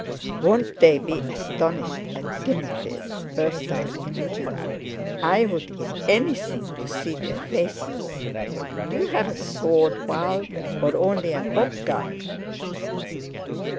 "Won't they be astonished at Timothy's!" burst out Imogen. "I'd give anything to see their faces. Do you have a sword, Val, or only a popgun?"